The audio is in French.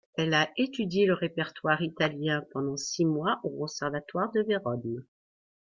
Elle a étudié le répertoire italien pendant six mois au conservatoire de Vérone.